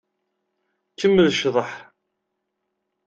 Kemmel ccḍeḥ.